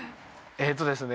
えーっとですね